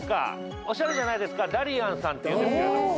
おしゃれじゃないですか、ＤＡＬＩＡＮさんっていうんです。